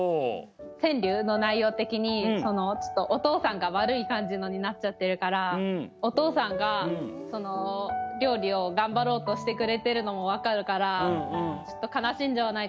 川柳の内容的にちょっとお父さんが悪い感じのになっちゃってるからお父さんが料理を頑張ろうとしてくれてるのも分かるから悲しんじゃわないかなって。